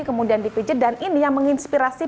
kemudian dipijit dan ini yang menginspirasi